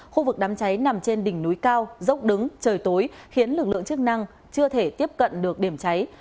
khu vực đám cháy nằm trên đỉnh núi cao dốc đứng trời tối khiến lực lượng chức năng chưa thể tiếp cận được điểm cháy